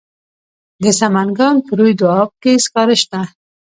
د سمنګان په روی دو اب کې سکاره شته.